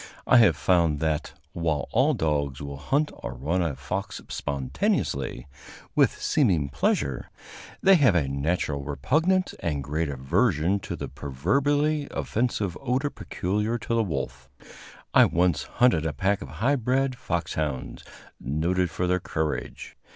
I have found that, while all dogs will hunt or run a fox spontaneously, with seeming pleasure, they have a natural repugnance and great aversion to the proverbially offensive odor peculiar to the wolf. I once hunted a pack of high bred foxhounds, noted for their courage.